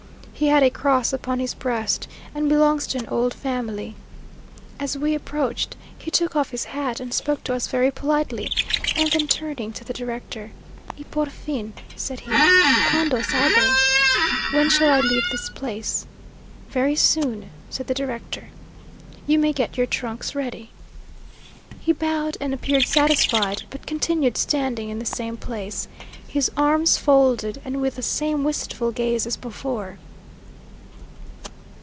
He had a cross upon his breast, and belongs to an old family. As we approached, he took off his hat, and spoke to us very politely; and then turning to the director, "Y por fín," said he, "Cuando saldré?" "When shall I leave this place?" "Very soon," said the director. "You may get your trunks ready." He bowed and appeared satisfied, but continued standing in the same place, his arms folded, and with the same wistful gaze as before.